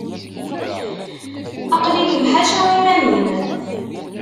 Aql-ikem ḥaca iman-im.